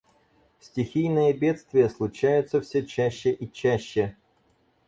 Стхийные бедствия случаются все чаще и чаще.